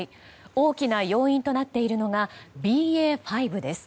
大きな要因となっているのがＢＡ．５です。